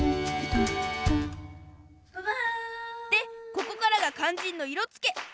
でここからがかんじんのいろつけ。